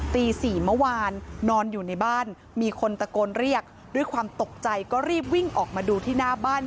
ตี๔เมื่อวานนอนอยู่ในบ้านมีคนตะโกนเรียกด้วยความตกใจก็รีบวิ่งออกมาดูที่หน้าบ้าน